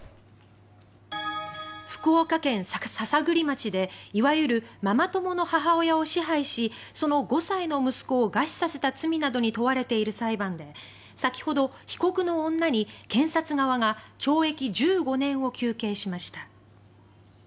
福岡県篠栗町でいわゆるママ友の母親を支配しその５歳の息子を餓死させた罪などに問われている裁判で先ほど、被告の女に検察側が懲役１５年を求刑しました。